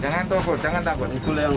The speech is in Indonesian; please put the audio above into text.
jangan takut jangan takut